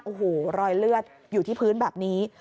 โอ้โหรอยเลือดอยู่ที่พื้นแบบนี้